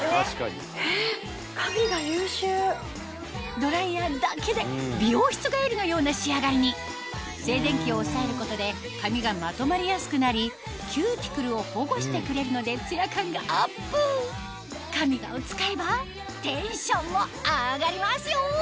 ドライヤーだけで美容室帰りのような仕上がりに静電気を抑えることで髪がまとまりやすくなりキューティクルを保護してくれるのでツヤ感がアップカミガを使えばテンションも上がりますよ！